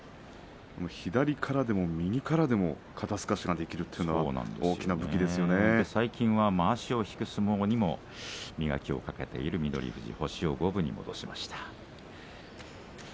左からでも右からでも肩すかしができるというのは最近はまわしを引く相撲にも磨きをかけている翠富士が星を五分に戻しました。